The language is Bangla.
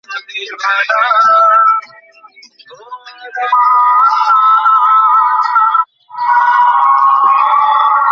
আমাদের উত্থানকে থামাতে হবে।